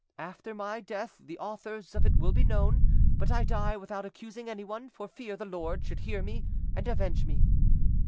After my, death, the authors of it will be known. But I die without accusing anyone, for fear the Lord should hear me and avenge me."